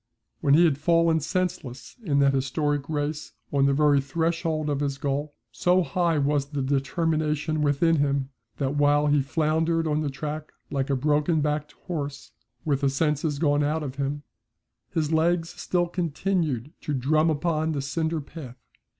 When he had fallen senseless in that historic race on the very threshold of his goal, so high was the determination within him, that while he floundered on the track like a broken backed horse, with the senses gone out of him, his legs still continued to drum upon the cinder path.